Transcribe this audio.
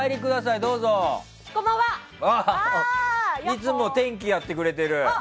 いつも天気をやってくれてる。